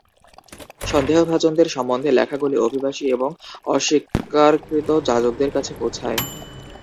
সন্দেহভাজনদের সম্বন্ধে লেখাগুলি অভিবাসী এবং অস্বীকারকৃত যাজকদের কাছে পৌঁছায়।